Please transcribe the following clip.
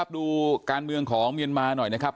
ดูการเมืองของเมียนมาหน่อยนะครับ